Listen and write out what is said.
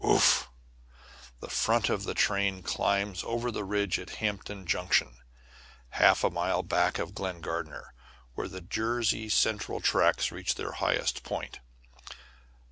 Ouf! The front of the train climbs over the ridge at Hampton Junction, half a mile back of Glen Gardner, where the Jersey Central tracks reach their highest point.